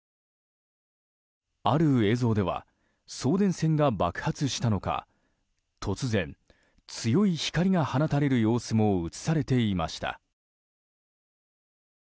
ある映像では送電線が爆発したのか突然、強い光が放たれる様子も映されていました。